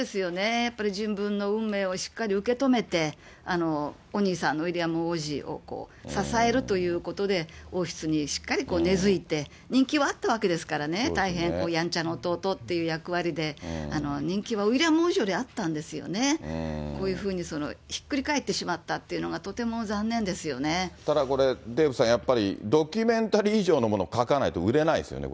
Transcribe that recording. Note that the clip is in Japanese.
やっぱり自分の運命をしっかり受け止めて、お兄さんのウィリアム王子を支えるということで、王室にしっかり根づいて、人気はあったわけですからね、大変やんちゃな弟っていう役割で、人気はウィリアム王子よりあったわけですよね、こういうふうにひっくり返ってしまったっていうのが、とても残念ただこれデーブさん、やっぱりドキュメンタリー以上のものを書かないと売れないですよ